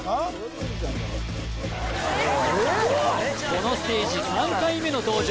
このステージ３回目の登場